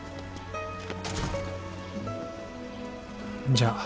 じゃあ。